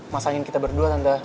masangin kita berdua tante